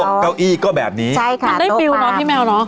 โต๊ะเก้าอี้ก็แบบนี้ใช่ค่ะโต๊ะปลามันได้วิวเนอะพี่แมวเนอะ